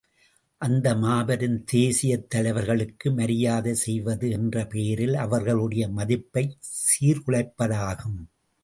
அந்த மாபெரும் தேசியத் தலைவர்களுக்கு மரியாதை செய்வது என்ற பெயரில் அவர்களுடைய மதிப்பைச் சீர்குலைப்பதாகும்.